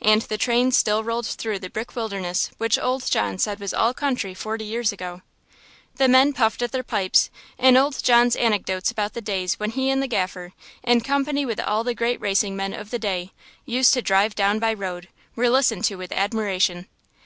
And the train still rolled through the brick wilderness which old John said was all country forty years ago. The men puffed at their pipes, and old John's anecdotes about the days when he and the Gaffer, in company with all the great racing men of the day, used to drive down by road, were listened to with admiration.